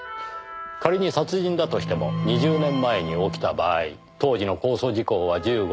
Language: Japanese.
仮に殺人だとしても２０年前に起きた場合当時の公訴時効は１５年。